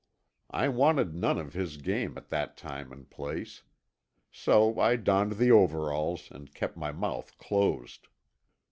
I wanted none of his game at that time and place. So I donned the overalls and kept my mouth closed.